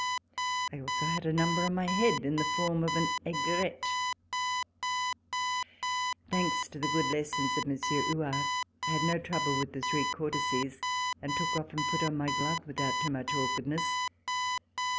I also had a number on my head in the form of an aigrette. Thanks to the good lessons of Monsieur Huart, I had no trouble with the three courtesies, and took off and put on my glove without too much awkward C46] MARRIAGE PRESENTATION AT COURT ness.